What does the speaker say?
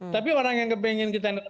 tapi orang yang kepingin kita retak